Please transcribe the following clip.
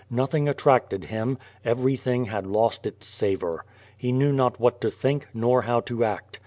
Nothing attracted him. Everything had lost its savor. He knew not what to think, nor how to act.